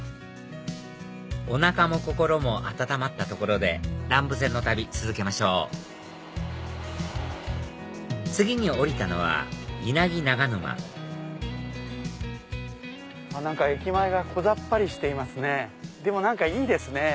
お腹も心も温まったところで南武線の旅続けましょう次に降りたのは稲城長沼駅前がこざっぱりしていますねでも何かいいですね。